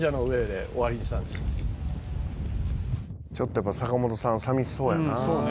「ちょっとやっぱ坂本さん寂しそうやな」